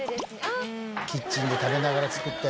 キッチンで食べながら作って。